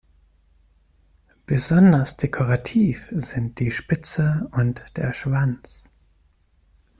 Besonders dekorativ sind die Spitze und der Schwanz.